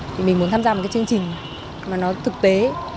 thì mình muốn tham gia một cái chương trình mà nó thực tế